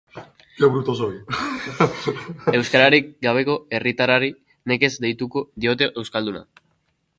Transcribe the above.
Euskararik gabeko herritarrari nekez deituko diote euskalduna.